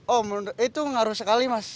oh itu ngaruh sekali mas